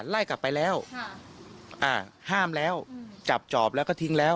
ไล่กลับไปแล้วห้ามแล้วจับจอบแล้วก็ทิ้งแล้ว